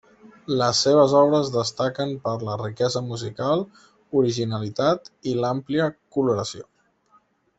Les seves obres destaquen per la riquesa musical, originalitat i l'àmplia coloració.